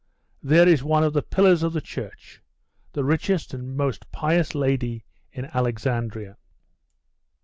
There is one of the pillars of the church the richest and most pious lady in Alexandria.